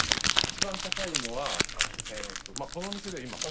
一番高いのはこの店で今これが。